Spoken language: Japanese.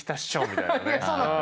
みたいなね。